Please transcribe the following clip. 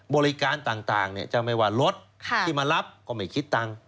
บริการต่างจะไม่ว่ารถที่มารับก็ไม่คิดตังค์